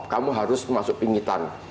kamu harus masuk pingitan